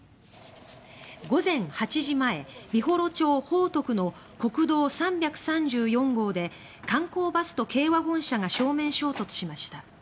午前８時前美幌町報徳の国道３３４号で観光バスと軽ワゴン車が正面衝突しました。